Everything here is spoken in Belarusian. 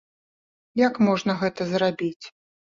Як можна гэта зрабіць?